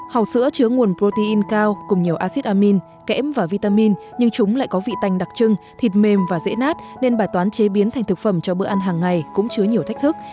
hầu sữa chứa nguồn protein cao cùng nhiều acid amin kẽm và vitamin nhưng chúng lại có vị tành đặc trưng thịt mềm và dễ nát nên bài toán chế biến thành thực phẩm cho bữa ăn hàng ngày cũng chứa nhiều thách thức